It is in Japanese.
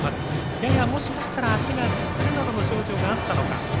ややもしかしたら足がつるなどの症状があったのか。